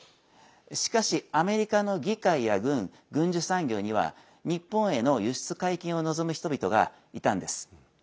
しかし、アメリカの議会や軍軍需産業には日本への輸出解禁を望む人々がいたんです。